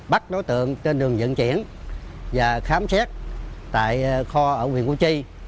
bắt đối tượng trên đường dẫn chuyển và khám xét tại kho ở quyền củ chi